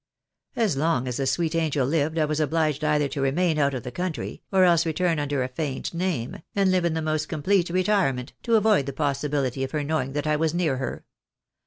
As long as the sweet angel lived I was obliged either to remain out of the country, or else return under a feigned name, and live in the most complete retirement, to avoid the possibility of her know ing that I was near her.